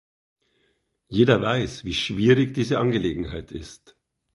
Jeder weiß, wie schwierig diese Angelegenheit ist.